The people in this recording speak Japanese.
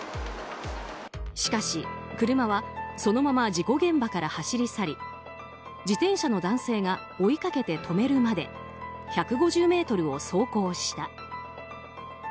しかし車はそのまま事故現場から走り去り自転車の男性が追いかけて止めるまで１５０ｍを走行した。